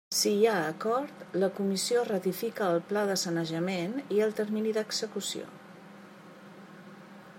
Si hi ha acord, la Comissió ratifica el pla de sanejament i el termini d'execució.